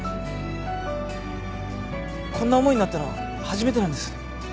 こんな思いになったのは初めてなんです。